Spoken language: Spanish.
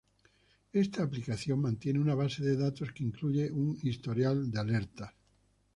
Esta aplicación mantiene una base de datos que incluye un historial de alertas.